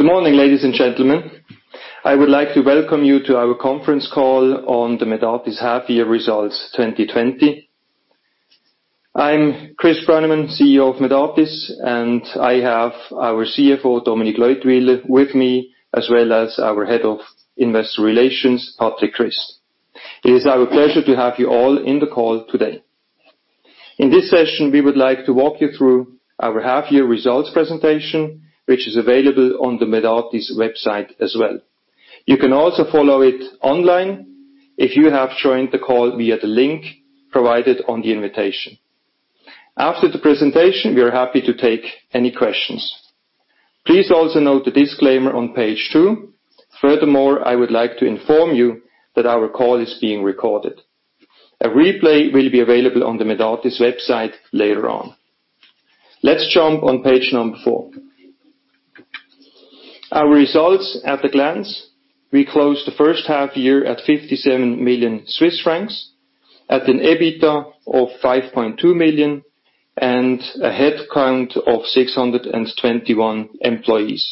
Good morning, ladies and gentlemen. I would like to welcome you to our conference call on the Medartis half year results 2020. I'm Chris Brönnimann, CEO of Medartis, and I have our CFO, Dominique Leutwyler, with me, as well as our Head of Investor Relations, Patrick Christen. It is our pleasure to have you all in the call today. In this session, we would like to walk you through our half year results presentation, which is available on the Medartis website as well. You can also follow it online if you have joined the call via the link provided on the invitation. After the presentation, we are happy to take any questions. Please also note the disclaimer on page two. Furthermore, I would like to inform you that our call is being recorded. A replay will be available on the Medartis website later on. Let's jump on page number four. Our results at a glance. We closed the first half year at 57 million Swiss francs, at an EBITDA of 5.2 million, and a headcount of 621 employees.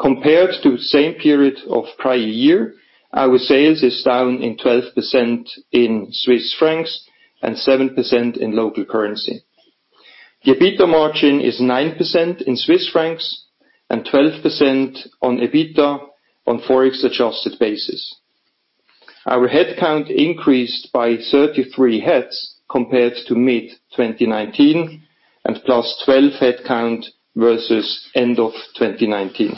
Compared to same period of prior year, our sales is down 12% in CHF and 7% in local currency. The EBITDA margin is 9% in CHF and 12% on EBITDA on Forex-adjusted basis. Our headcount increased by 33 heads compared to mid-2019 and +12 headcount versus end of 2019.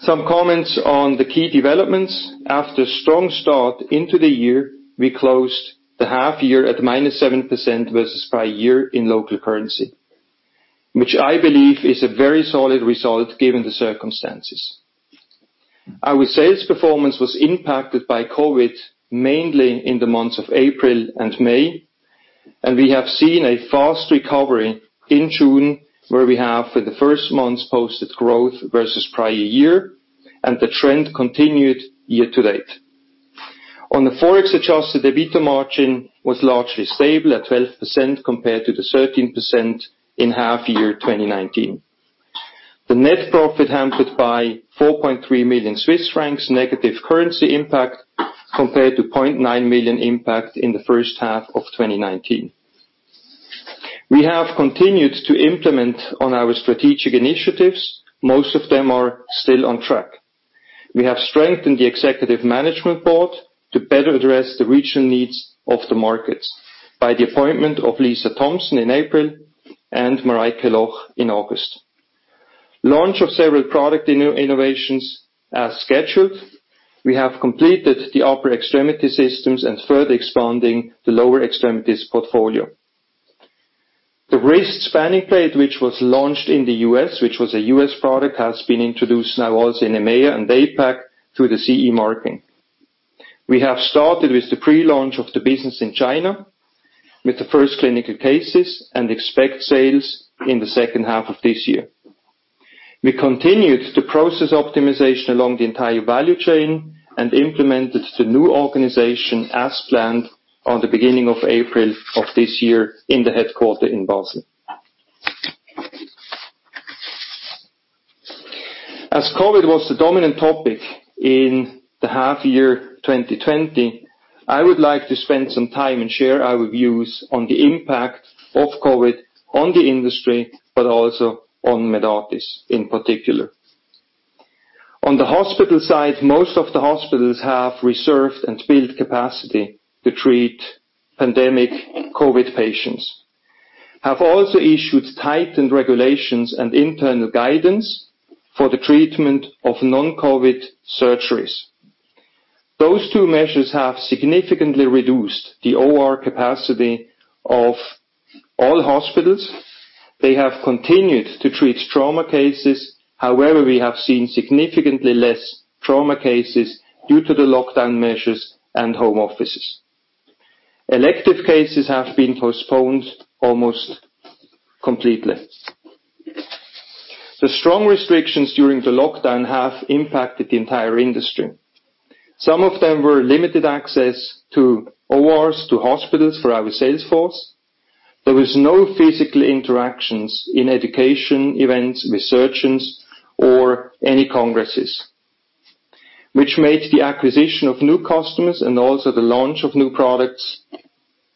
Some comments on the key developments. After strong start into the year, we closed the half year at -7% versus prior year in local currency, which I believe is a very solid result given the circumstances. Our sales performance was impacted by COVID, mainly in the months of April and May. We have seen a fast recovery in June, where we have for the first months posted growth versus prior year. The trend continued year-to-date. The Forex-adjusted EBITDA margin was largely stable at 12% compared to the 13% in H1 2019. The net profit hampered by 4.3 million Swiss francs negative currency impact compared to 0.9 million impact in H1 2019. We have continued to implement on our strategic initiatives. Most of them are still on track. We have strengthened the Executive Management Board to better address the regional needs of the markets by the appointment of Lisa Thompson in April and Mareike Loch in August. The launch of several product innovations as scheduled. We have completed the upper extremity systems and further expanding the lower extremities portfolio. The Wrist Spanning Plate, which was launched in the U.S., which was a U.S. product, has been introduced now also in EMEA and APAC through the CE marking. We have started with the pre-launch of the business in China with the first clinical cases and expect sales in the second half of this year. We continued the process optimization along the entire value chain and implemented the new organization as planned on the beginning of April of this year in the headquarter in Basel. As COVID was the dominant topic in the half year 2020, I would like to spend some time and share our views on the impact of COVID on the industry, but also on Medartis in particular. On the hospital side, most of the hospitals have reserved and built capacity to treat pandemic COVID patients. They have also issued tightened regulations and internal guidance for the treatment of non-COVID surgeries. Those two measures have significantly reduced the OR capacity of all hospitals. They have continued to treat trauma cases. However, we have seen significantly less trauma cases due to the lockdown measures and home offices. Elective cases have been postponed almost completely. The strong restrictions during the lockdown have impacted the entire industry. Some of them were limited access to ORs, to hospitals for our sales force. There was no physical interactions in education events with surgeons or any congresses, which made the acquisition of new customers and also the launch of new products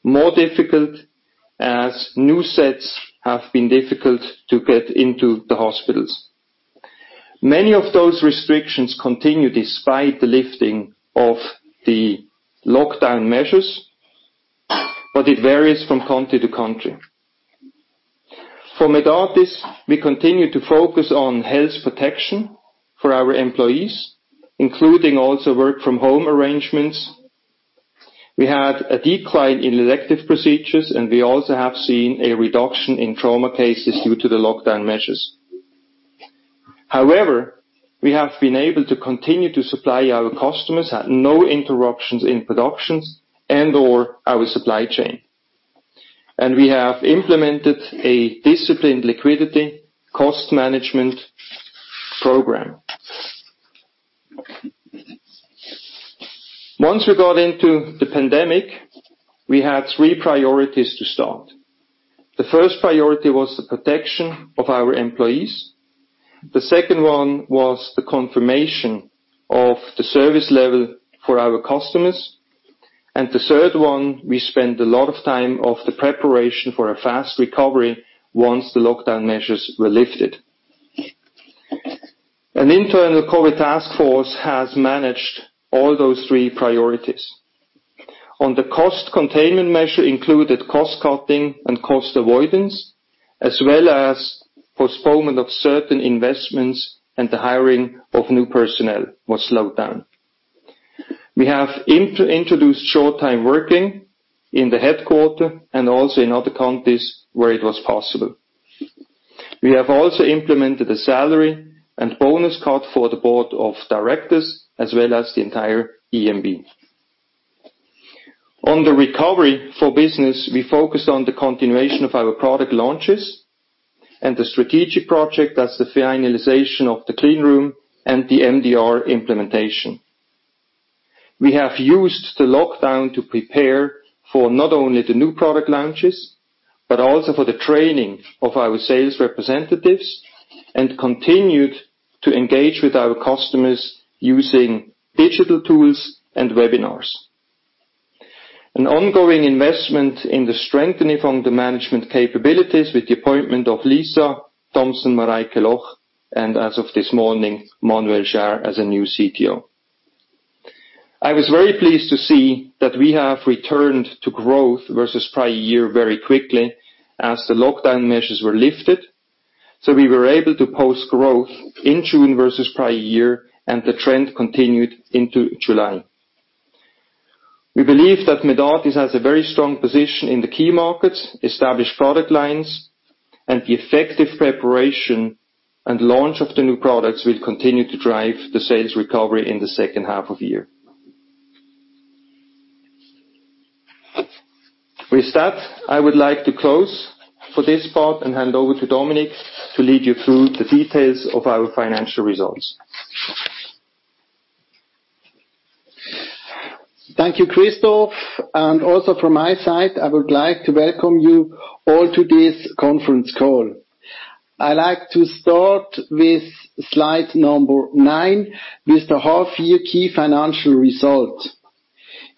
more difficult as new sets have been difficult to get into the hospitals. Many of those restrictions continue despite the lifting of the lockdown measures, but it varies from country to country. For Medartis, we continue to focus on health protection for our employees, including also work from home arrangements. We had a decline in elective procedures, and we also have seen a reduction in trauma cases due to the lockdown measures. However, we have been able to continue to supply our customers at no interruptions in productions and/or our supply chain. We have implemented a disciplined liquidity cost management program. Once we got into the pandemic, we had three priorities to start. The first priority was the protection of our employees. The second one was the confirmation of the service level for our customers. The third one, we spent a lot of time of the preparation for a fast recovery once the lockdown measures were lifted. An internal COVID task force has managed all those three priorities. On the cost-containment measure included cost-cutting and cost avoidance, as well as postponement of certain investments, and the hiring of new personnel was slowed down. We have introduced short-time working in the headquarters and also in other countries where it was possible. We have also implemented a salary and bonus cut for the board of directors, as well as the entire EMB. On the recovery for business, we focused on the continuation of our product launches and the strategic project, that's the finalization of the clean room and the MDR implementation. We have used the lockdown to prepare for not only the new product launches, but also for the training of our sales representatives, and continued to engage with our customers using digital tools and webinars. An ongoing investment in the strengthening from the management capabilities with the appointment of Lisa Thompson-Mareike Loch, and as of this morning, Manuel Scherer as a new CTO. I was very pleased to see that we have returned to growth versus prior year very quickly as the lockdown measures were lifted. We were able to post growth in June versus prior year, and the trend continued into July. We believe that Medartis has a very strong position in the key markets, established product lines, and the effective preparation and launch of the new products will continue to drive the sales recovery in the second half of the year. With that, I would like to close for this part and hand over to Dominique to lead you through the details of our financial results. Thank you, Christoph. Also from my side, I would like to welcome you all to this conference call. I like to start with slide nine, with the half-year key financial result.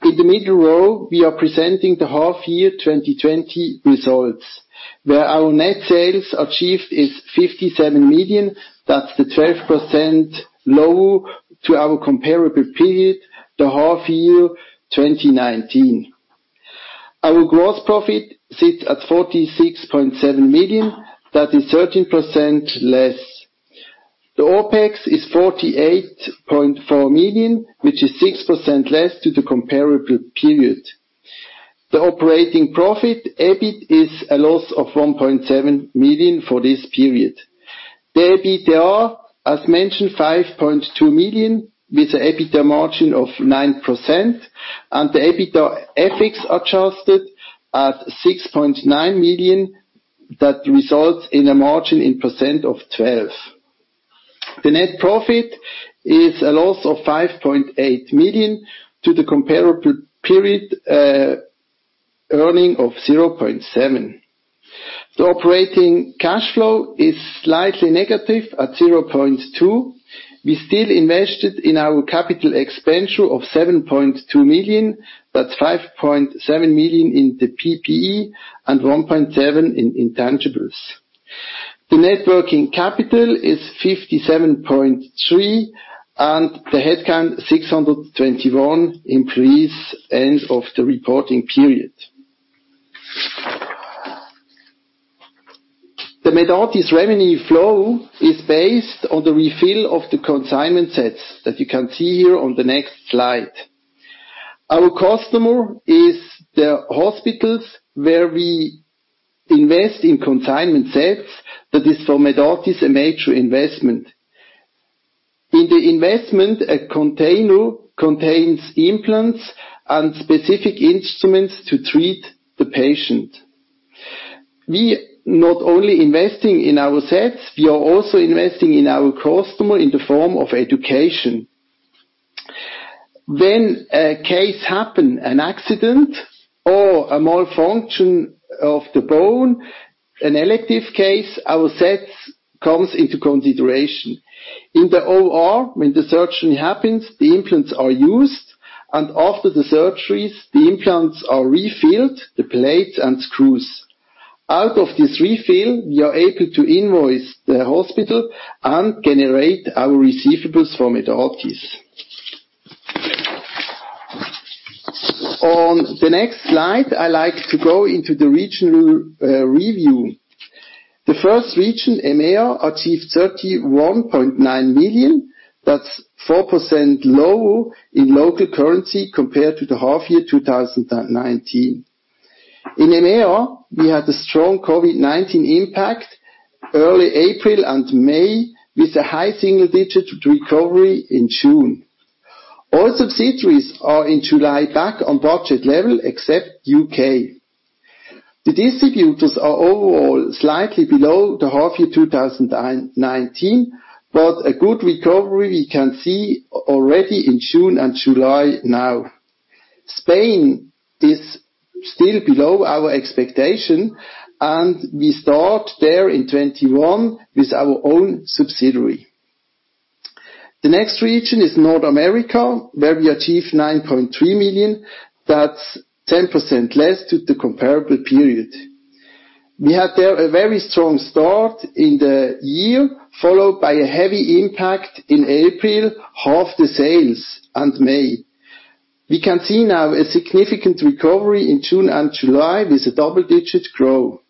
In the middle row, we are presenting the half-year 2020 results, where our net sales achieved is 57 million. That's the 12% low to our comparable period, the half-year 2019. Our gross profit sits at 46.7 million. That is 13% less. The OpEx is 48.4 million, which is 6% less to the comparable period. The operating profit, EBIT, is a loss of 1.7 million for this period. The EBITDA, as mentioned, 5.2 million, with EBITDA margin of 9%, and the EBITDA FX adjusted at 6.9 million, that results in a margin of 12%. The net profit is a loss of 5.8 million to the comparable period, earning of 0.7 million. The operating cash flow is slightly negative at 0.2. We still invested in our capital expenditure of 7.2 million, that's 5.7 million in the PPE and 1.7 in intangibles. The net working capital is 57.3, and the headcount 621 increase end of the reporting period. The Medartis revenue flow is based on the refill of the consignment sets that you can see here on the next slide. Our customer is the hospitals where we invest in consignment sets. That is for Medartis, a major investment. In the investment, a container contains implants and specific instruments to treat the patient. We not only investing in our sets, we are also investing in our customer in the form of education. When a case happen, an accident or a malfunction of the bone, an elective case, our sets comes into consideration. In the OR, when the surgery happens, the implants are used, and after the surgeries, the implants are refilled, the plates and screws. Out of this refill, we are able to invoice the hospital and generate our receivables for Medartis. On the next slide, I like to go into the regional review. The first region, EMEA, achieved 31.9 million. That's 4% low in local currency compared to the half year 2019. In EMEA, we had a strong COVID-19 impact early April and May, with a high single-digit recovery in June. All subsidiaries are in July back on budget level except U.K. The distributors are overall slightly below the half year 2019, but a good recovery we can see already in June and July now. Spain is still below our expectation, and we start there in 2021 with our own subsidiary. The next region is North America, where we achieve 9.3 million. That's 10% less to the comparable period. We had there a very strong start in the year, followed by a heavy impact in April, half the sales, and May. We can see now a significant recovery in June and July with a double-digit growth.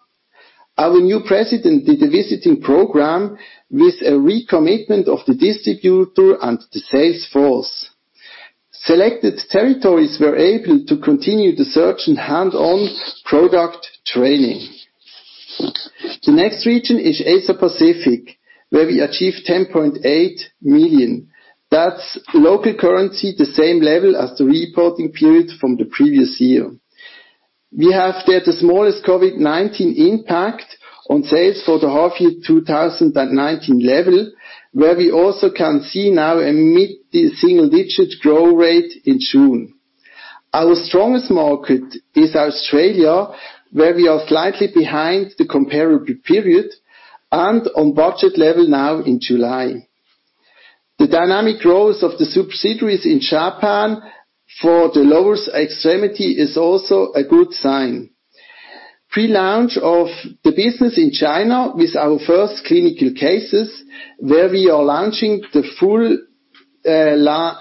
Our new president did a visiting program with a recommitment of the distributor and the sales force. Selected territories were able to continue the surgeon hands-on product training. The next region is Asia-Pacific, where we achieve 10.8 million. That's local currency, the same level as the reporting period from the previous year. We have there the smallest COVID-19 impact on sales for the half year 2019 level, where we also can see now a mid-single digit growth rate in June. Our strongest market is Australia, where we are slightly behind the comparable period, and on budget level now in July. The dynamic growth of the subsidiaries in Japan for the lower extremity is also a good sign. Pre-launch of the business in China with our first clinical cases, where we are launching the full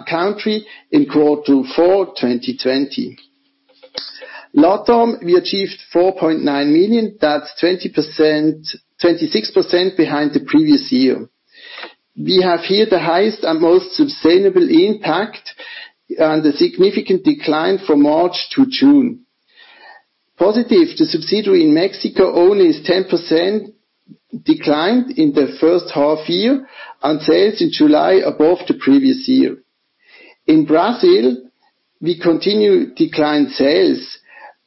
country in quarter four 2020. LATAM, we achieved 4.9 million. That's 26% behind the previous year. We have here the highest and most sustainable impact, and a significant decline from March to June. Positive, the subsidiary in Mexico only is 10% declined in the first half year, and sales in July above the previous year. In Brazil, we continue declined sales,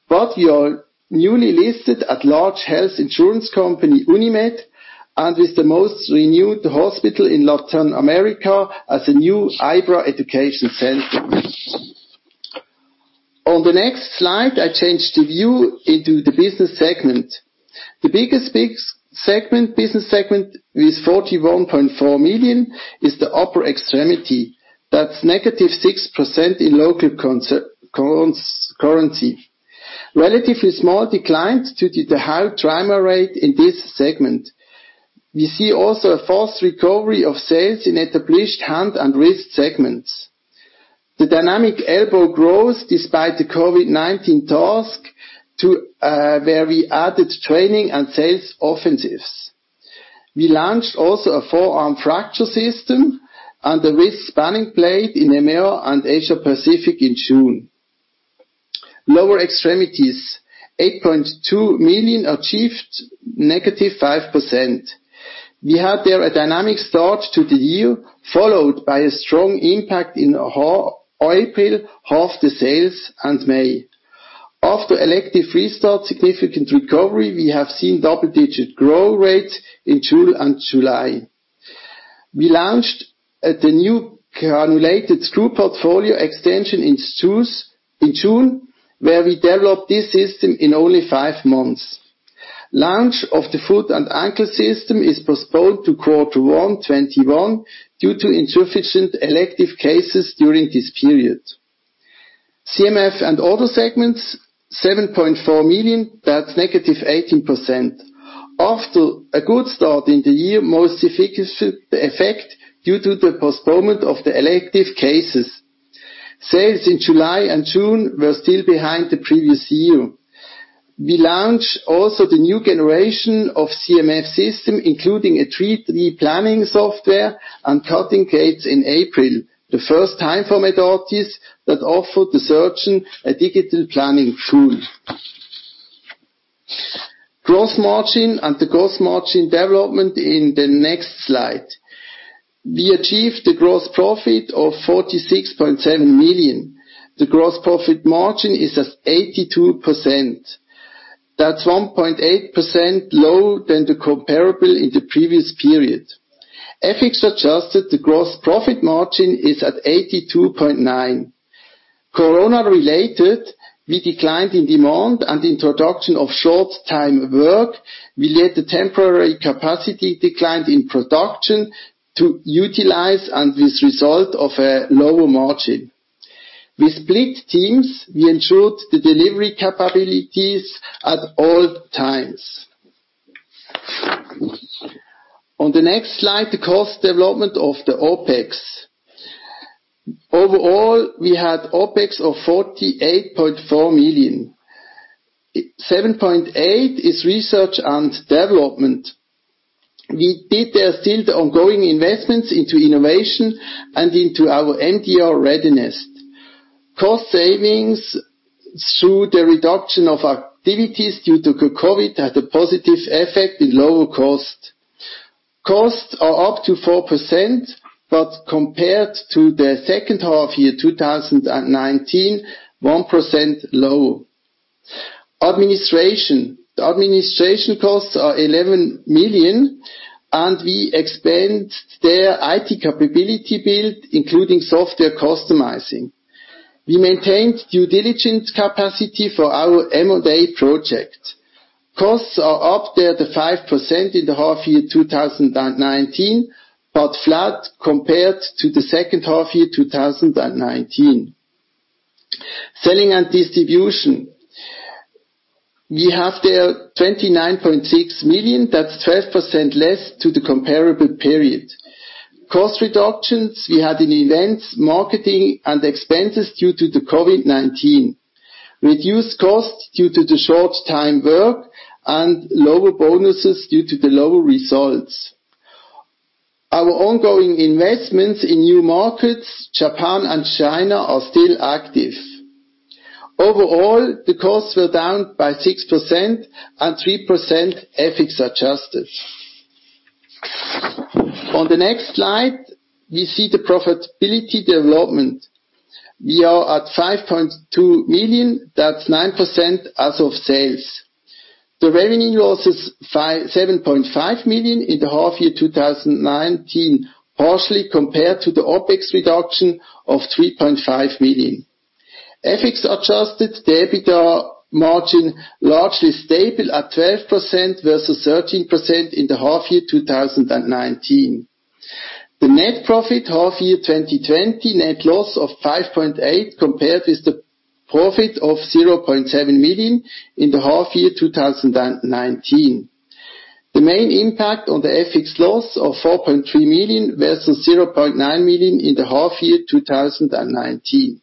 but we are newly listed at large health insurance company, Unimed, and is the most renewed hospital in Latin America as a new IBRA education center. On the next slide, I change the view into the business segment. The biggest business segment with 41.4 million is the upper extremity. That's negative 6% in local currency. Relatively small decline to the high driver rate in this segment. We see also a fast recovery of sales in established hand and wrist segments. The dynamic elbow growth despite the COVID-19 task to there we added training and sales offensives. We launched also a forearm fracture system, and the Wrist Spanning Plate in EMEA and Asia-Pacific in June. Lower extremities, 8.2 million achieved negative 5%. We had there a dynamic start to the year, followed by a strong impact in April, half the sales, and May. After elective restart, significant recovery, we have seen double-digit growth rate in June and July. We launched the new cannulated screw portfolio extension in June, where we developed this system in only five months. Launch of the foot and ankle system is postponed to quarter one 2021 due to insufficient elective cases during this period. CMF and other segments, 7.4 million. That's negative 18%. After a good start in the year, most significant effect due to the postponement of the elective cases. Sales in July and June were still behind the previous year. We launch also the new generation of CMF system, including a 3D planning software and cutting in April. The first time for Medartis that offered the surgeon a digital planning tool. Gross margin and the gross margin development in the next slide. We achieved a gross profit of 46.7 million. The gross profit margin is at 82%. That's 1.8% lower than the comparable in the previous period. FX-adjusted, the gross profit margin is at 82.9%. Corona-related, we declined in demand and introduction of short time work. We let the temporary capacity decline in production to utilize, and with result of a lower margin. With split teams, we ensured the delivery capabilities at all times. On the next slide, the cost development of the OpEx. Overall, we had OpEx of 48.4 million. 7.8 is research and development. We did there still the ongoing investments into innovation and into our MDR readiness. Cost savings through the reduction of activities due to COVID had a positive effect with lower costs are up to 4%, but compared to the second half year 2019, 1% low. Administration. The administration costs are 11 million, and we expand their IT capability build, including software customizing. We maintained due diligence capacity for our M&A project. Costs are up there to 5% in the half year 2019, but flat compared to the second half year 2019. Selling and distribution. We have there 29.6 million. That's 12% less to the comparable period. Cost reductions we had in events, marketing, and expenses due to the COVID-19. Reduced costs due to the short-time work, and lower bonuses due to the lower results. Our ongoing investments in new markets, Japan and China, are still active. Overall, the costs were down by 6% and 3% FX-adjusted. On the next slide, we see the profitability development. We are at 5.2 million. That's 9% as of sales. The revenue loss is 7.5 million in the half year 2019, partially compared to the OpEx reduction of 3.5 million. FX-adjusted, the EBITDA margin largely stable at 12% versus 13% in the half year 2019. The net profit half year 2020, net loss of 5.8 million compared with the profit of 0.7 million in the half year 2019. The main impact on the FX loss of 4.3 million versus 0.9 million in the half year 2019.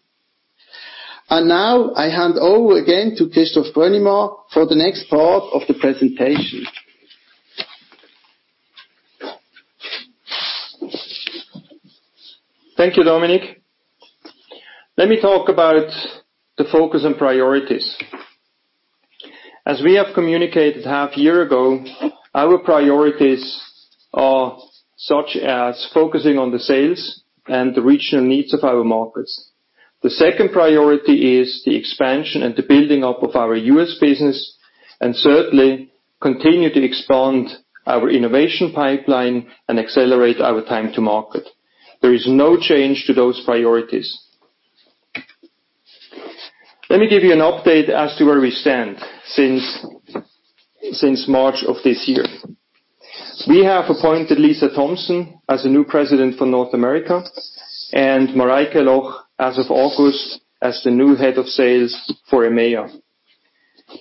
Now I hand over again to Christoph Brönnimann for the next part of the presentation. Thank you, Dominique. Let me talk about the focus and priorities. As we have communicated half year ago, our priorities are such as focusing on the sales and the regional needs of our markets. The second priority is the expansion and the building up of our US business, certainly continue to expand our innovation pipeline and accelerate our time to market. There is no change to those priorities. Let me give you an update as to where we stand since March of this year. We have appointed Lisa Thompson as the new President for North America, Mareike Loch as of August as the new Head of Sales for EMEA.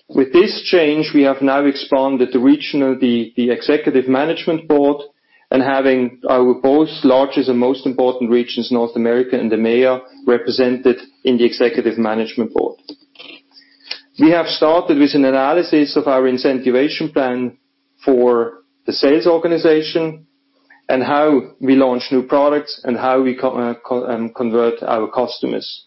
With this change, we have now expanded the regional, the Executive Management Board, having our both largest and most important regions, North America and EMEA, represented in the Executive Management Board. We have started with an analysis of our incentivization plan for the sales organization, and how we launch new products and how we convert our customers.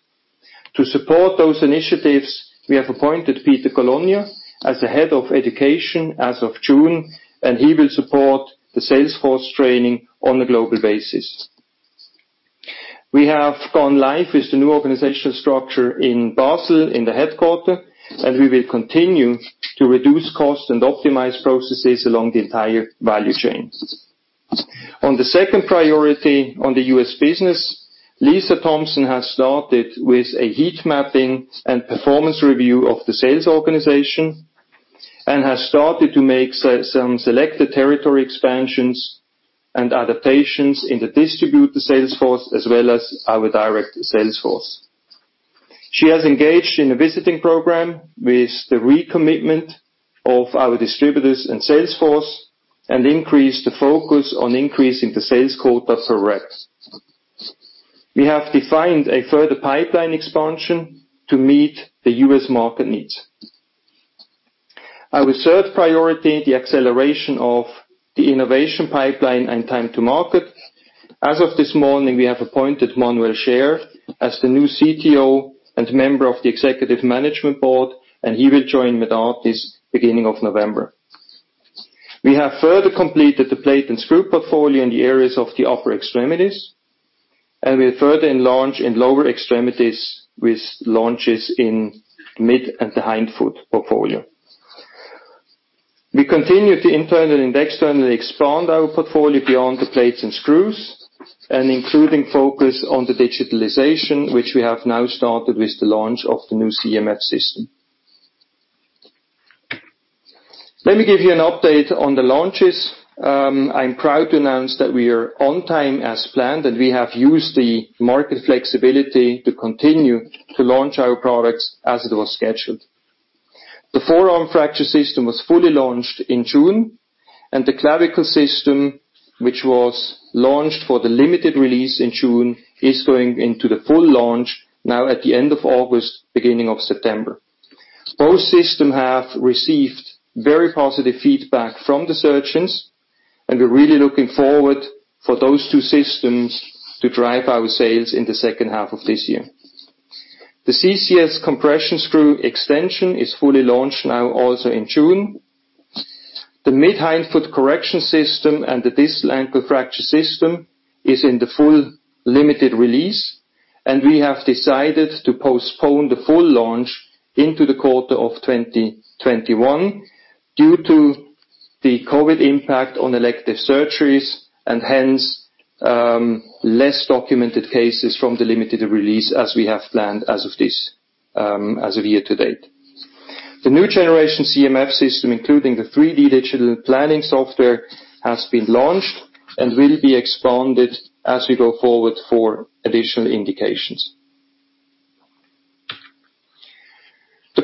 To support those initiatives, we have appointed Peter Colonia as the head of education as of June, and he will support the sales force training on a global basis. We have gone live with the new organizational structure in Basel, in the headquarters, and we will continue to reduce costs and optimize processes along the entire value chains. On the second priority on the US business, Lisa Thompson has started with a heat mapping and performance review of the sales organization, and has started to make some selected territory expansions and adaptations in the distributor sales force, as well as our direct sales force. She has engaged in a visiting program with the recommitment of our distributors and sales force, and increased the focus on increasing the sales quota per rep. We have defined a further pipeline expansion to meet the U.S. market needs. Our third priority, the acceleration of the innovation pipeline and time to market. As of this morning, we have appointed Manuel Scherrer as the new CTO and Member of the Executive Management Board, and he will join Medartis beginning of November. We have further completed the plate and screw portfolio in the areas of the upper extremities, and we have further enlarged in lower extremities with launches in mid and the hindfoot portfolio. We continue to internally and externally expand our portfolio beyond the plates and screws, and including focus on the digitalization, which we have now started with the launch of the new CMF system. Let me give you an update on the launches. I'm proud to announce that we are on time as planned, and we have used the market flexibility to continue to launch our products as it was scheduled. The forearm fracture system was fully launched in June, and the Clavicle System, which was launched for the limited release in June, is going into the full launch now at the end of August, beginning of September. Both system have received very positive feedback from the surgeons, and we're really looking forward for those two systems to drive our sales in the second half of this year. The CCS compression screw extension is fully launched now also in June. The mid-hindfoot correction system and the distal ankle fracture system is in the full limited release, and we have decided to postpone the full launch into the quarter of 2021 due to the COVID impact on elective surgeries, and hence, less documented cases from the limited release as we have planned as of year-to-date. The new generation CMF system, including the 3D digital planning software, has been launched and will be expanded as we go forward for additional indications.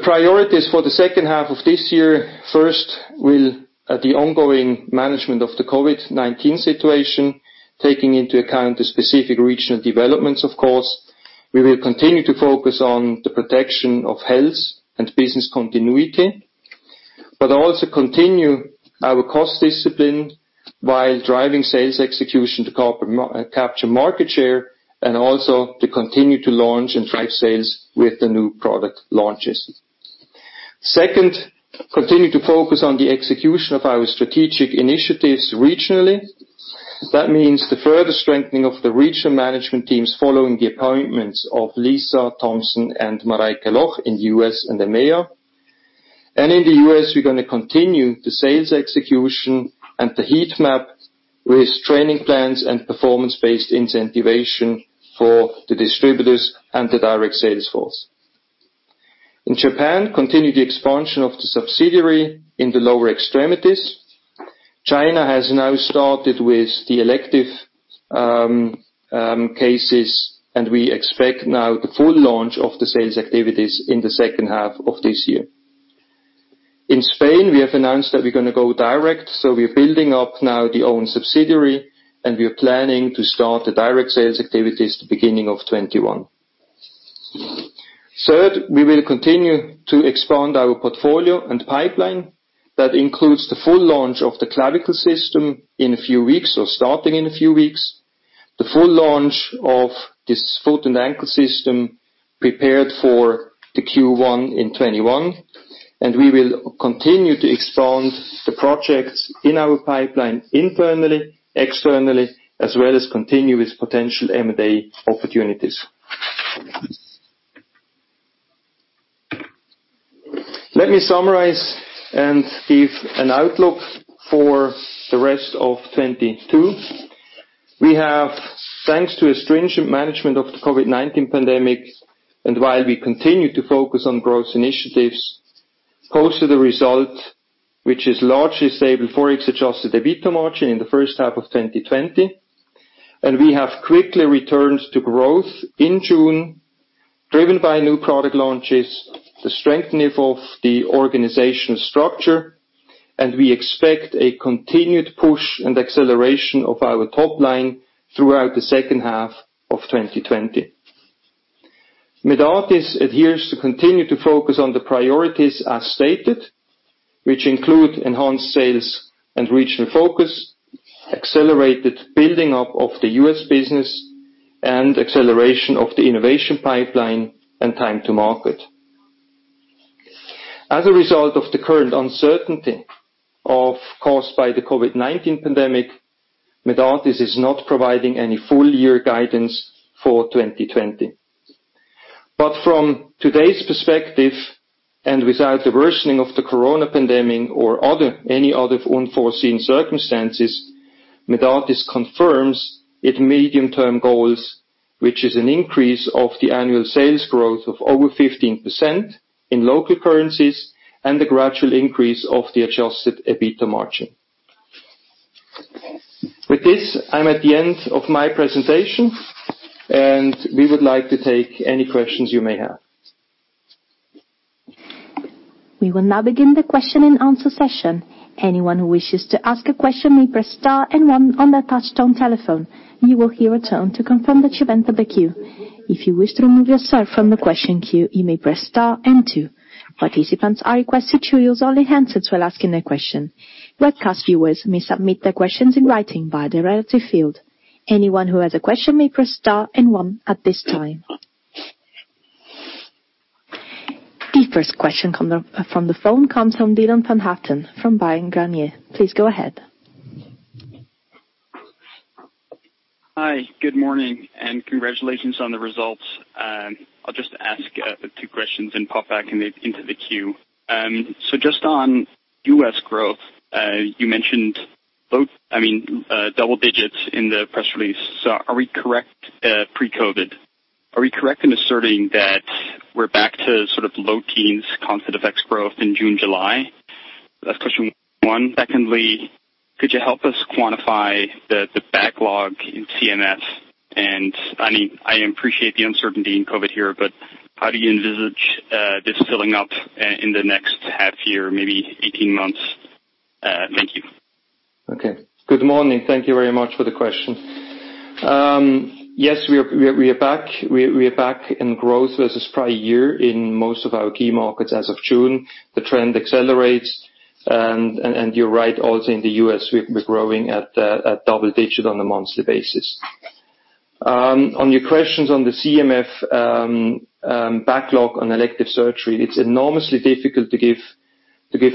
The priorities for the second half of this year, first, the ongoing management of the COVID-19 situation, taking into account the specific regional developments, of course. We will continue to focus on the protection of health and business continuity, but also continue our cost discipline while driving sales execution to capture market share, and also to continue to launch and drive sales with the new product launches. Second, continue to focus on the execution of our strategic initiatives regionally. That means the further strengthening of the regional management teams following the appointments of Lisa Thompson and Mareike Loch in U.S. and EMEA. In the U.S., we're going to continue the sales execution and the heat map with training plans and performance-based incentivization for the distributors and the direct sales force. In Japan, continue the expansion of the subsidiary in the lower extremities. China has now started with the elective cases, and we expect now the full launch of the sales activities in the second half of this year. In Spain, we have announced that we're going to go direct, so we're building up now the own subsidiary, and we are planning to start the direct sales activities the beginning of 2021. Third, we will continue to expand our portfolio and pipeline. That includes the full launch of the Clavicle System in a few weeks or starting in a few weeks, the full launch of this foot and ankle system prepared for the Q1 in 2021, and we will continue to expand the projects in our pipeline internally, externally, as well as continue with potential M&A opportunities. Let me summarize and give an outlook for the rest of 2022. We have, thanks to a stringent management of the COVID-19 pandemic, and while we continue to focus on growth initiatives, posted a result which is largely stable FX-adjusted EBITDA margin in the first half of 2020. We have quickly returned to growth in June, driven by new product launches, the strengthening of the organizational structure, and we expect a continued push and acceleration of our top line throughout the second half of 2020. Medartis adheres to continue to focus on the priorities as stated, which include enhanced sales and regional focus, accelerated building up of the US business, and acceleration of the innovation pipeline and time to market. As a result of the current uncertainty caused by the COVID-19 pandemic, Medartis is not providing any full-year guidance for 2020. From today's perspective, and without the worsening of the coronavirus pandemic or any other unforeseen circumstances, Medartis confirms its medium-term goals, which is an increase of the annual sales growth of over 15% in local currencies, and the gradual increase of the Adjusted EBITDA margin. With this, I'm at the end of my presentation, and we would like to take any questions you may have. We will now begin the question and answer session. Anyone who wishes to ask a question may press star and one on their touch-tone telephone. You will hear a tone to confirm that you've entered the queue. If you wish to remove yourself from the question queue, you may press star and two. Participants are requested to use only hand signals while asking their question. Webcast viewers may submit their questions in writing via the relative field. Anyone who has a question may press star and one at this time. The first question from the phone comes from Dylan van Haaften from Bryan Garnier. Please go ahead. Hi, good morning, and congratulations on the results. I'll just ask two questions and pop back into the queue. Just on U.S. growth, you mentioned double digits in the press release. Are we correct pre-COVID, in asserting that we're back to sort of low teens constant FX growth in June, July? That's question one. Secondly, could you help us quantify the backlog in CMF? I appreciate the uncertainty in COVID here, but how do you envisage this filling up in the next half year, maybe 18 months? Thank you. Okay. Good morning. Thank you very much for the question. Yes, we are back in growth versus prior year in most of our key markets as of June. The trend accelerates. You're right, also in the U.S. we're growing at double-digit on a monthly basis. On your questions on the CMF backlog on elective surgery, it's enormously difficult to give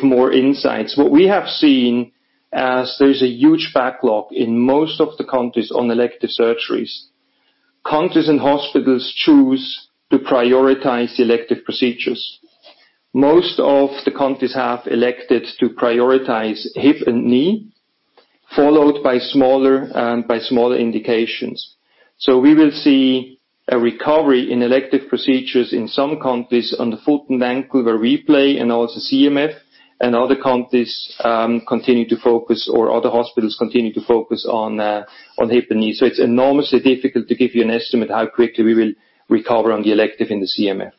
more insights. What we have seen as there is a huge backlog in most of the countries on elective surgeries. Countries and hospitals choose to prioritize elective procedures. Most of the countries have elected to prioritize hip and knee, followed by smaller indications. We will see a recovery in elective procedures in some countries on the foot and ankle, the replay and also CMF, other countries continue to focus, or other hospitals continue to focus on hip and knee. It's enormously difficult to give you an estimate how quickly we will recover on the elective in the CMF.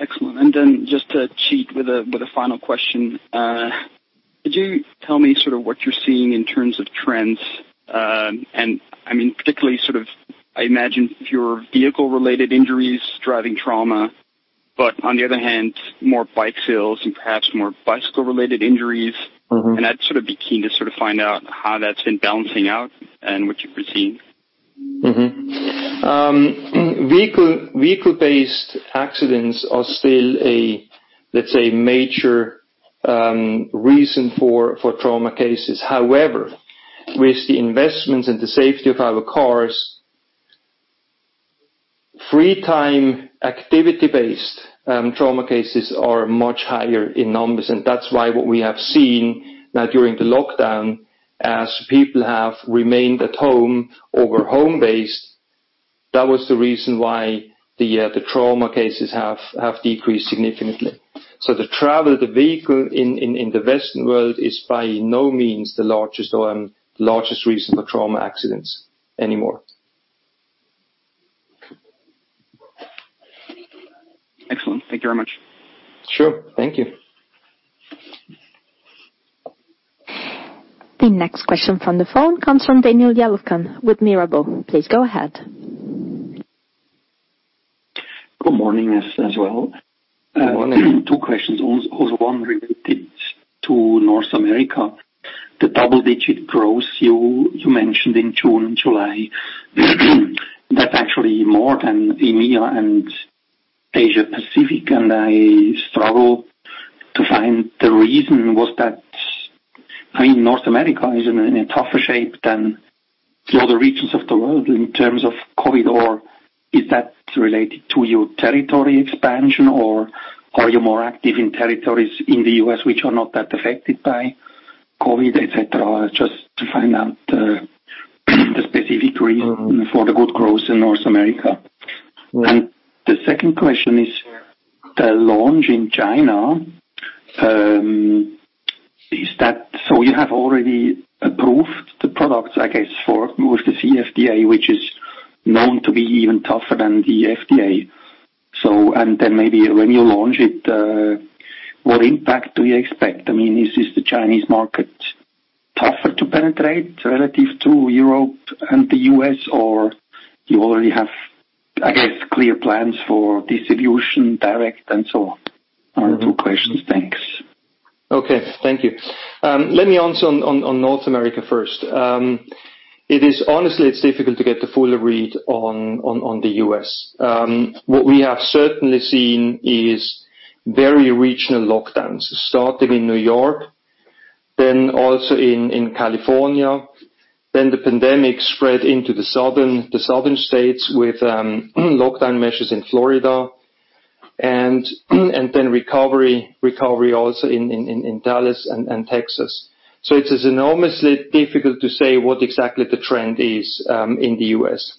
Excellent. Then just to cheat with a final question. Could you tell me sort of what you're seeing in terms of trends? Particularly sort of, I imagine fewer vehicle-related injuries, driving trauma, but on the other hand, more bike sales and perhaps more bicycle-related injuries. I'd sort of be keen to sort of find out how that's been balancing out and what you foresee. Vehicle-based accidents are still a major reason for trauma cases. However, with the investments in the safety of our cars, free time activity-based trauma cases are much higher in numbers, that's why what we have seen now during the lockdown, as people have remained at home or were home-based, that was the reason why the trauma cases have decreased significantly. The travel, the vehicle in the Western world is by no means the largest reason for trauma accidents anymore. Excellent. Thank you very much. Sure. Thank you. The next question from the phone comes from Daniel Jelovcan with Mirabaud. Please go ahead. Good morning as well. Good morning. Two questions. One related to North America. The double digit growth you mentioned in June and July, that's actually more than EMEA and Asia Pacific, and I struggle to find the reason. Was that North America is in a tougher shape than the other regions of the world in terms of COVID, or is that related to your territory expansion, or are you more active in territories in the U.S. which are not that affected by COVID, et cetera? Just to find out the specific reason. for the good growth in North America. Right. The second question is the launch in China. You have already approved the products, I guess, with the CFDA, which is known to be even tougher than the FDA. Maybe when you launch it, what impact do you expect? Is the Chinese market tougher to penetrate relative to Europe and the U.S., or you already have, I guess, clear plans for distribution, direct and so on? Two questions. Thanks. Okay. Thank you. Let me answer on North America first. Honestly, it's difficult to get the full read on the U.S. What we have certainly seen is very regional lockdowns starting in New York, also in California. The pandemic spread into the southern states with lockdown measures in Florida and recovery also in Dallas and Texas. It is enormously difficult to say what exactly the trend is in the U.S.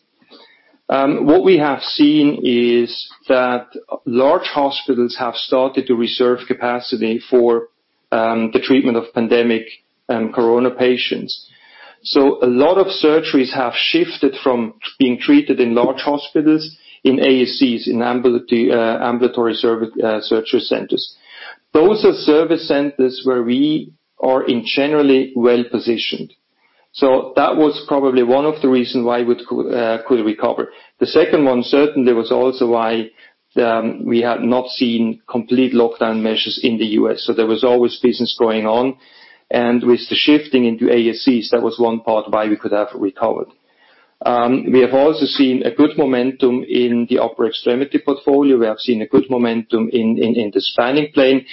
What we have seen is that large hospitals have started to reserve capacity for the treatment of pandemic Corona patients. A lot of surgeries have shifted from being treated in large hospitals in ASCs, in ambulatory surgery centers. Those are service centers where we are generally well-positioned. That was probably one of the reason why we could recover. The second one certainly was also why we have not seen complete lockdown measures in the U.S. There was always business going on. With the shifting into ASCs, that was one part why we could have recovered. We have also seen a good momentum in the upper extremity portfolio. We have seen a good momentum in the spanning plate.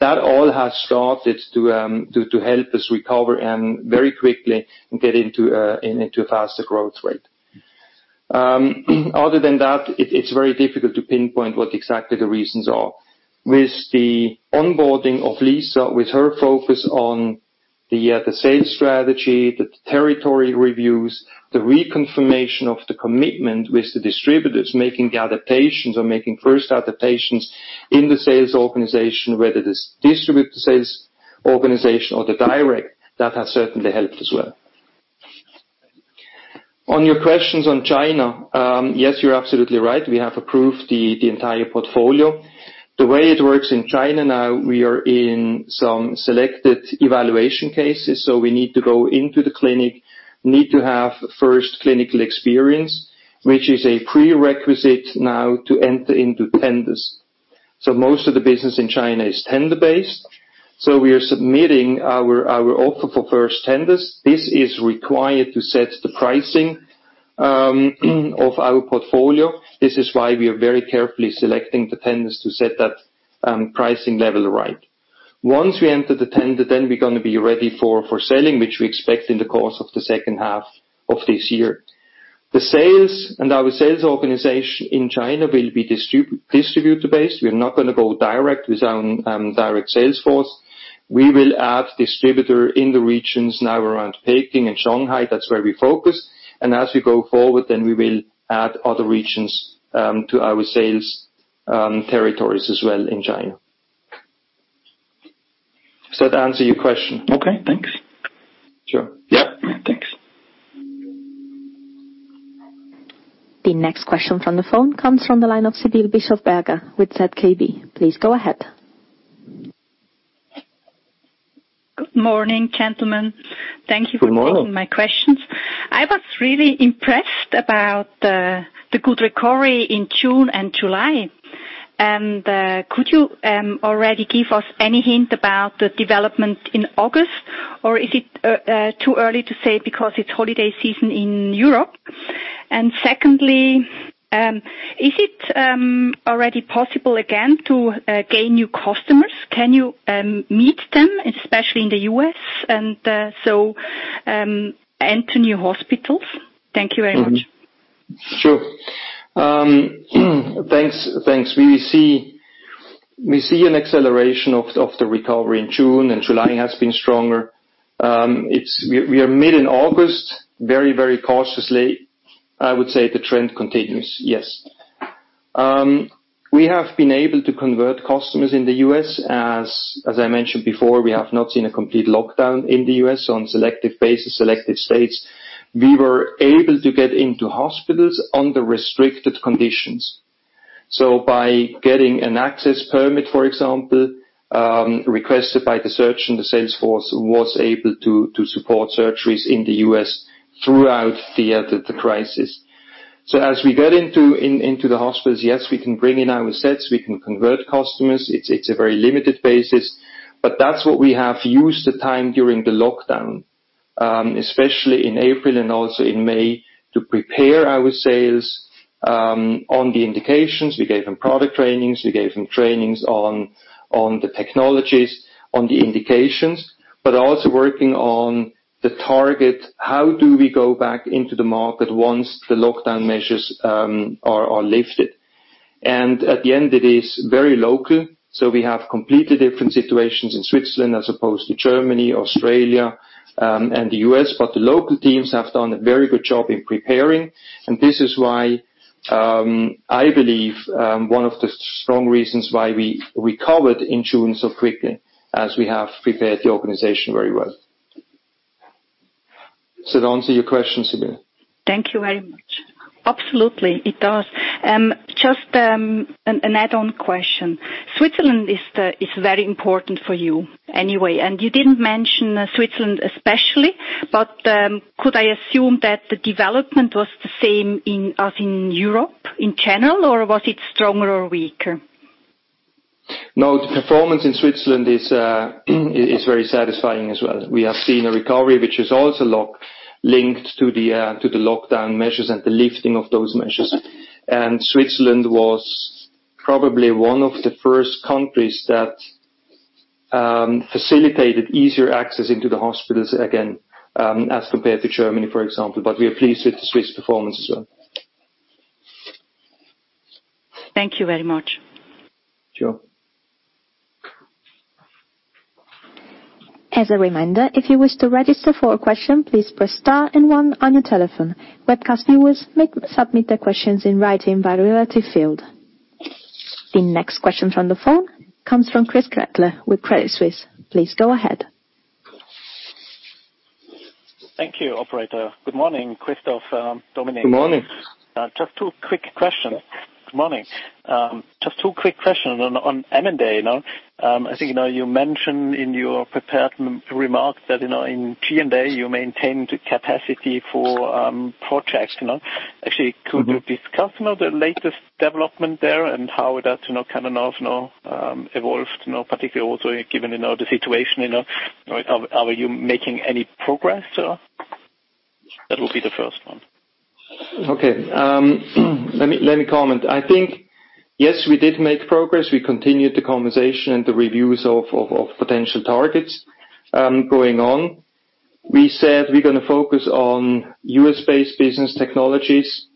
That all has started to help us recover and very quickly get into a faster growth rate. Other than that, it's very difficult to pinpoint what exactly the reasons are. With the onboarding of Lisa, with her focus on the sales strategy, the territory reviews, the reconfirmation of the commitment with the distributors, making adaptations or making first adaptations in the sales organization, whether it is distributor sales organization or the direct, that has certainly helped as well. On your questions on China, yes, you're absolutely right. We have approved the entire portfolio. The way it works in China now, we are in some selected evaluation cases. We need to go into the clinic, need to have first clinical experience, which is a prerequisite now to enter into tenders. Most of the business in China is tender-based. We are submitting our offer for first tenders. This is required to set the pricing of our portfolio. This is why we are very carefully selecting the tenders to set that pricing level right. Once we enter the tender, then we're going to be ready for selling, which we expect in the course of the second half of this year. The sales and our sales organization in China will be distributor-based. We're not going to go direct with our direct sales force. We will add distributor in the regions now around Beijing and Shanghai. That's where we focus. As we go forward, we will add other regions to our sales territories as well in China. Does that answer your question? Okay, thanks. Sure. Yeah. Thanks. The next question from the phone comes from the line of Sibylle Bischofberger with ZKB. Please go ahead. Good morning, gentlemen. Thank you. Good morning. -taking my questions. I was really impressed about the good recovery in June and July. Could you already give us any hint about the development in August? Or is it too early to say because it's holiday season in Europe? Secondly, is it already possible again to gain new customers? Can you meet them, especially in the U.S., and so enter new hospitals? Thank you very much. Sure. Thanks. We see an acceleration of the recovery in June, and July has been stronger. We are mid in August, very cautiously, I would say the trend continues, yes. We have been able to convert customers in the U.S. As I mentioned before, we have not seen a complete lockdown in the U.S. on selective basis, selective states. We were able to get into hospitals under restricted conditions. By getting an access permit, for example, requested by the surgeon, the sales force was able to support surgeries in the U.S. throughout the crisis. As we get into the hospitals, yes, we can bring in our sets, we can convert customers. It's a very limited basis, but that's what we have used the time during the lockdown, especially in April and also in May, to prepare our sales on the indications. We gave them product trainings, we gave them trainings on the technologies, on the indications. Also working on the target, how do we go back into the market once the lockdown measures are lifted. At the end, it is very local, so we have completely different situations in Switzerland as opposed to Germany, Australia, and the U.S., but the local teams have done a very good job in preparing. This is why, I believe, one of the strong reasons why we recovered in June so quickly as we have prepared the organization very well. Does that answer your question, Sibylle? Thank you very much. Absolutely, it does. Just an add-on question. Switzerland is very important for you anyway, and you didn't mention Switzerland especially, but could I assume that the development was the same as in Europe in general, or was it stronger or weaker? No, the performance in Switzerland is very satisfying as well. We have seen a recovery, which is also linked to the lockdown measures and the lifting of those measures. Switzerland was probably one of the first countries that facilitated easier access into the hospitals again, as compared to Germany, for example. We are pleased with the Swiss performance as well. Thank you very much. Sure. As a reminder, if you wish to register for a question, please press star and one on your telephone. Webcast viewers may submit their questions in writing via the relative field. The next question from the phone comes from Chris Gretler with Credit Suisse. Please go ahead. Thank you, operator. Good morning, Christoph, Dominique. Good morning. Just two quick questions. Good morning. Just two quick questions on M&A now. I think you mentioned in your prepared remarks that in G&A, you maintained capacity for projects. Could you discuss the latest development there and how that evolved, particularly also given the situation? Are you making any progress? That will be the first one. Okay. Let me comment. I think, yes, we did make progress. We continued the conversation and the reviews of potential targets going on. We said we're going to focus on U.S.-based business technologies.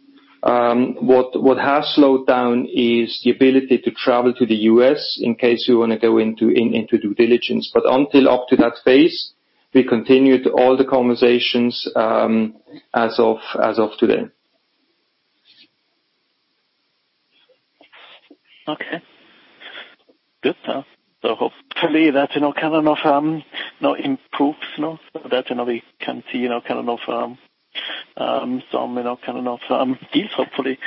What has slowed down is the ability to travel to the U.S. in case we want to go into due diligence. Until up to that phase, we continued all the conversations as of today. Okay. Good. Hopefully that kind of improves, so that we can see some of these hopefully.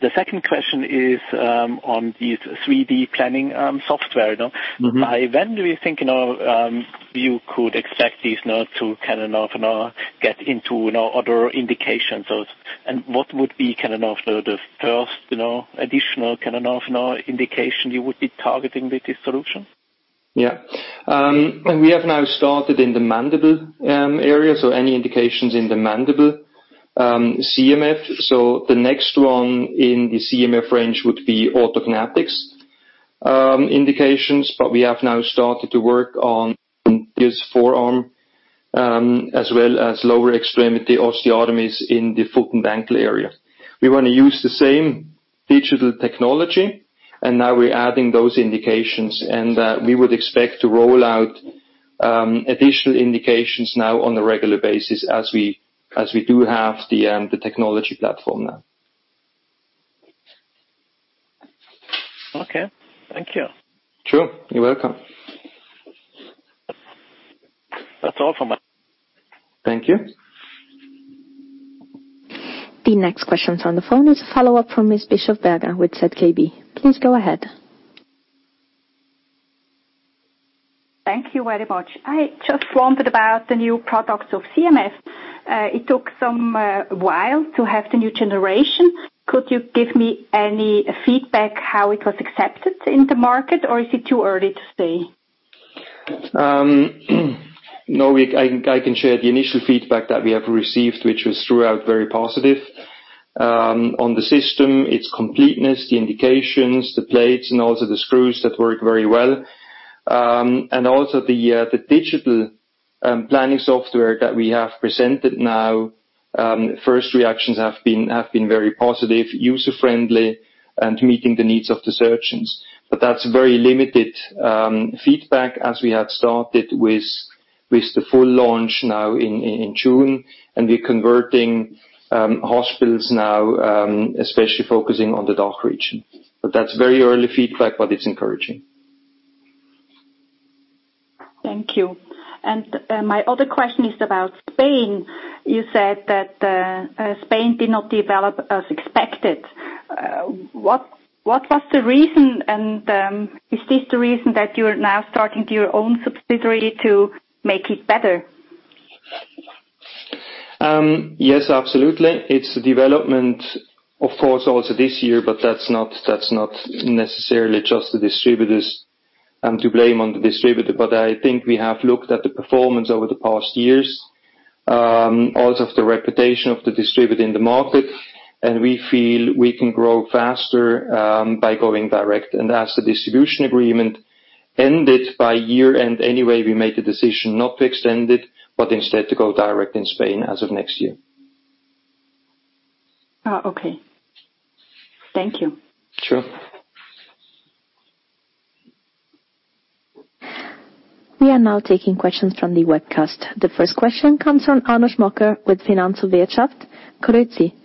The second question is on this 3D planning software. By when do you think you could expect these now to get into other indications of what would be the first additional indication you would be targeting with this solution? We have now started in the mandible area, so any indications in the mandible. CMF, the next one in the CMF range would be orthognathics indications. We have now started to work on this forearm, as well as lower extremity osteotomies in the foot and ankle area. We want to use the same digital technology, and now we're adding those indications, and we would expect to roll out additional indications now on a regular basis as we do have the technology platform now. Okay. Thank you. Sure. You're welcome. That's all from me. Thank you. The next question on the phone is a follow-up from Ms. Bischofberger with ZKB. Please go ahead. Thank you very much. I just wondered about the new products of CMF. It took some while to have the new generation. Could you give me any feedback how it was accepted in the market, or is it too early to say? No, I can share the initial feedback that we have received, which was throughout very positive, on the system, its completeness, the indications, the plates, and also the screws that work very well. Also the digital planning software that we have presented now. First reactions have been very positive, user-friendly, and meeting the needs of the surgeons. That's very limited feedback as we have started with the full launch now in June, and we're converting hospitals now, especially focusing on the DACH region. That's very early feedback, but it's encouraging. Thank you. My other question is about Spain. You said that Spain did not develop as expected. What was the reason, and is this the reason that you're now starting your own subsidiary to make it better? Yes, absolutely. It's the development, of course, also this year, but that's not necessarily just the distributors, and to blame on the distributor. I think we have looked at the performance over the past years, also of the reputation of the distributor in the market, and we feel we can grow faster by going direct. As the distribution agreement ended by year-end anyway, we made the decision not to extend it, but instead to go direct in Spain as of next year. Okay. Thank you. Sure. We are now taking questions from the webcast. The first question comes from Arno Schmocker with Finanz und Wirtschaft.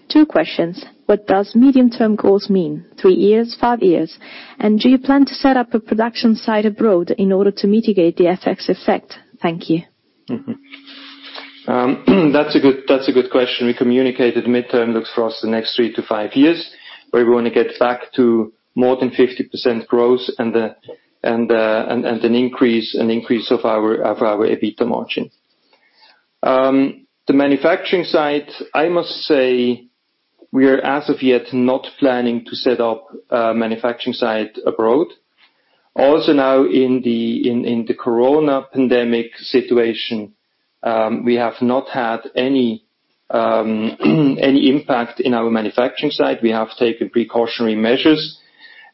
Two questions: What does medium term goals mean, three years, five years? Do you plan to set up a production site abroad in order to mitigate the FX effect? Thank you. That's a good question. We communicated midterm looks for us the next three to five years, where we want to get back to more than 50% growrth, and an increase of our EBITDA margin. The manufacturing site, I must say we are as of yet not planning to set up a manufacturing site abroad. Also now in the COVID pandemic situation, we have not had any impact in our manufacturing site. We have taken precautionary measures,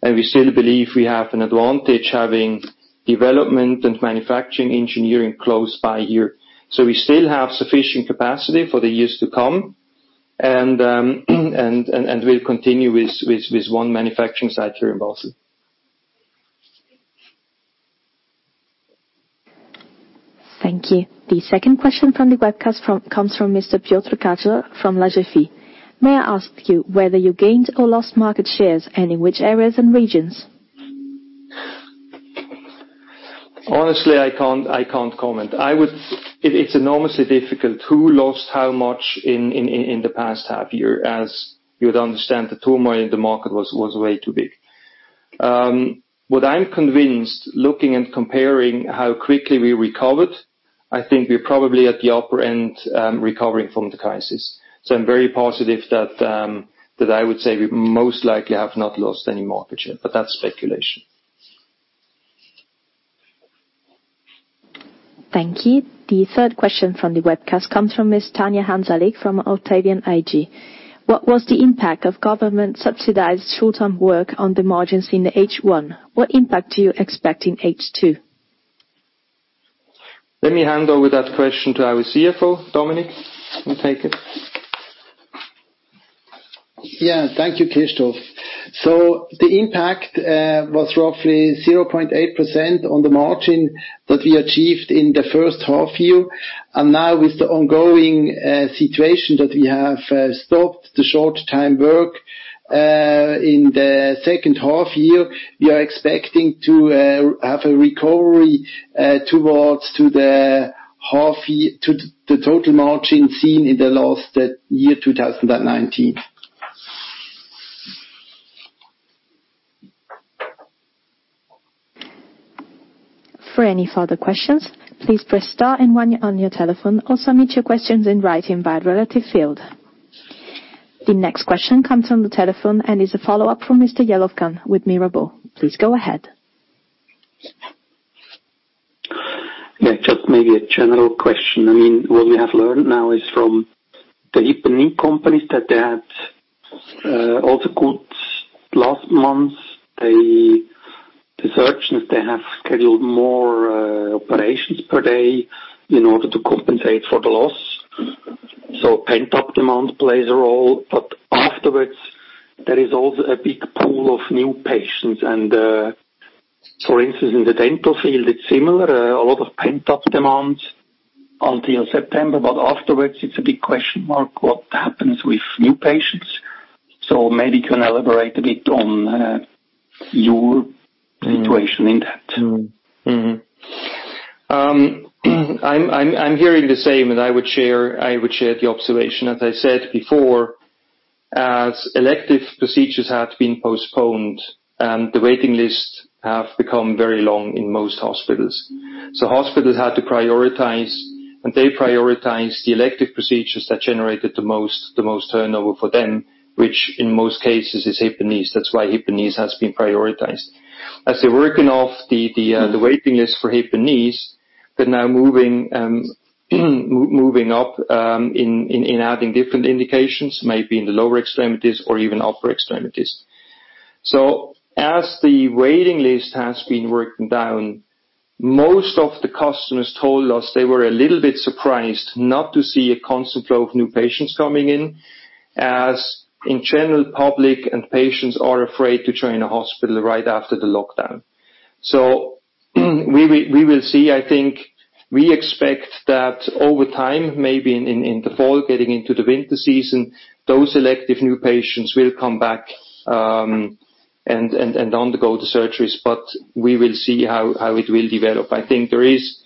and we still believe we have an advantage having development and manufacturing engineering close by here. We still have sufficient capacity for the years to come, and we'll continue with one manufacturing site here in Basel. Thank you. The second question from the webcast comes from Mr. Piotr Kaczor from Jefferies. May I ask you whether you gained or lost market shares, and in which areas and regions? Honestly, I can't comment. It's enormously difficult. Who lost how much in the past half year? As you would understand, the turmoil in the market was way too big. What I'm convinced, looking and comparing how quickly we recovered, I think we're probably at the upper end, recovering from the crisis. I'm very positive that I would say we most likely have not lost any market share. That's speculation. Thank you. The third question from the webcast comes from Ms. Tanya Hansalik from Octavian AG. What was the impact of government-subsidized short-term work on the margins in the H1? What impact do you expect in H2? Let me hand over that question to our CFO. Dominique, you take it. Yeah. Thank you, Christoph. The impact was roughly 0.8% on the margin that we achieved in the first half year. Now with the ongoing situation that we have stopped the short-time work. In the second half year, we are expecting to have a recovery towards the total margin seen in the last year, 2019. For any further questions, please press star and one on your telephone, or submit your questions in writing via the relative field. The next question comes on the telephone and is a follow-up from Mr. Jelovcan with Mirabaud. Please go ahead. Yeah, just maybe a general question. What we have learned now is from the hip and knee companies that had also good last months. The surgeons, they have scheduled more operations per day in order to compensate for the loss. Pent-up demand plays a role. Afterwards, there is also a big pool of new patients and, for instance, in the dental field it's similar, a lot of pent-up demands until September, but afterwards it's a big question mark what happens with new patients. Maybe you can elaborate a bit on your situation in that. Mm-hmm. I'm hearing the same, and I would share the observation. As I said before, as elective procedures had been postponed, the waiting lists have become very long in most hospitals. Hospitals had to prioritize, and they prioritized the elective procedures that generated the most turnover for them, which in most cases is hip and knees. That's why hip and knees has been prioritized. As they're working off the waiting list for hip and knees, they're now moving up in adding different indications, maybe in the lower extremities or even upper extremities. As the waiting list has been worked down, most of the customers told us they were a little bit surprised not to see a constant flow of new patients coming in, as in general, public and patients are afraid to join a hospital right after the lockdown. We will see. I think we expect that over time, maybe in the fall, getting into the winter season, those elective new patients will come back, and undergo the surgeries. We will see how it will develop. I think there is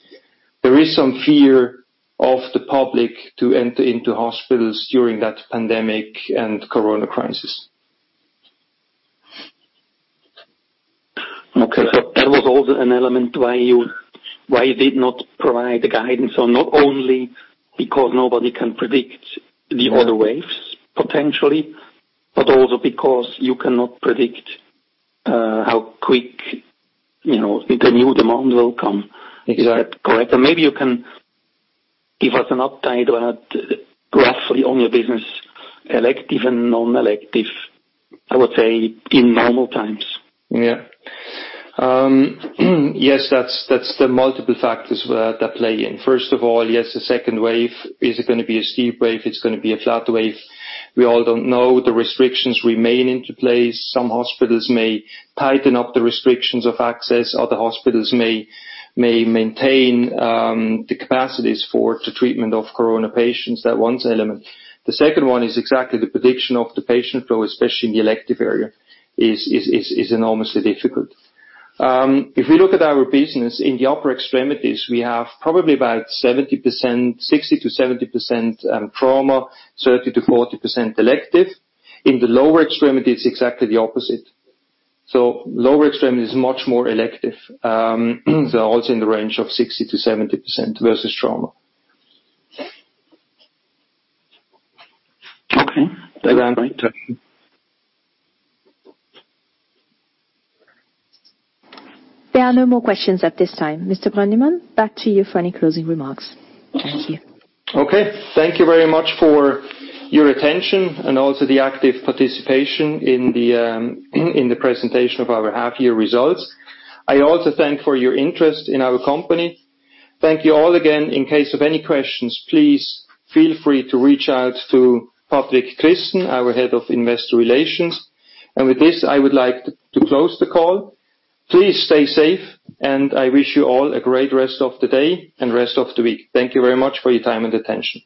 some fear of the public to enter into hospitals during that pandemic and Corona crisis. Okay. That was also an element why you did not provide the guidance, or not only because nobody can predict the other waves potentially, but also because you cannot predict how quick the new demand will come. Exactly. Is that correct? Maybe you can give us an update or a graph on your business, elective and non-elective, I would say in normal times. Yeah. Yes, that is the multiple factors that play in. First of all, yes, the second wave, is it going to be a steep wave? Is it going to be a flat wave? We all don't know. The restrictions remain into place. Some hospitals may tighten up the restrictions of access. Other hospitals may maintain the capacities for the treatment of Corona patients. That one is an element. The second one is exactly the prediction of the patient flow, especially in the elective area, is enormously difficult. If we look at our business, in the upper extremity, we have probably about 60%-70% trauma, 30%-40% elective. In the lower extremity, it is exactly the opposite. Lower extremity is much more elective. Also in the range of 60%-70% versus trauma. Okay. That's fine, thank you. There are no more questions at this time. Mr. Brönnimann, back to you for any closing remarks. Thank you. Okay. Thank you very much for your attention and also the active participation in the presentation of our half year results. I also thank for your interest in our company. Thank you all again. In case of any questions, please feel free to reach out to Patrick Christen, our Head of Investor Relations. With this, I would like to close the call. Please stay safe, and I wish you all a great rest of the day and rest of the week. Thank you very much for your time and attention.